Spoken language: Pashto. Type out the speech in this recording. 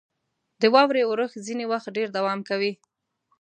• د واورې اورښت ځینې وخت ډېر دوام کوي.